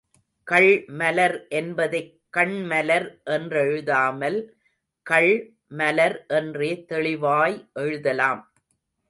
கள் மலர் என்பதைக் கண்மலர் என்றெழுதாமல், கள் மலர் என்றே தெளிவாய் எழுதலாம்.